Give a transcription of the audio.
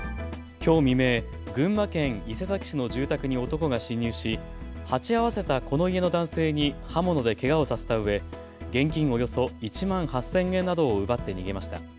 きょう未明、群馬県伊勢崎市の住宅に男が侵入し、鉢合わせたこの家の男性に刃物でけがをさせたうえ、現金およそ１万８０００円などを奪って逃げました。